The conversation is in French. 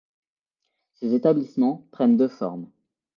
Ces établissements prennent deux formes.